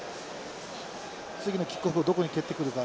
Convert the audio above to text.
次のキックオフをどこに蹴ってくるか。